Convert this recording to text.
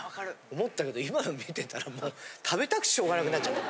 思ったけど今の見てたらもう食べたくてしょうがなくなっちゃった。